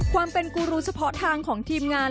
ความเป็นกูรูเฉพาะทางของทีมงาน